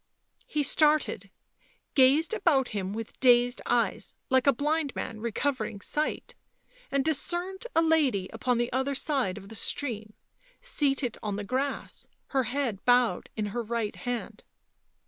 He started, gazed about him with dazed eyes, like a blind man recovering sight, and discerned a lady upon the other side of the stream, seated on the grass, her head bowed in her right hand.